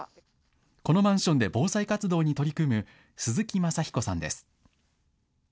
このマンションで防災活動に取り組む鈴木正彦さんです。